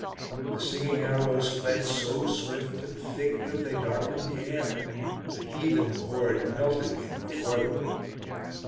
The singing arrows fled so swift and thick that they darkened the air; the heathen horde melted from before them.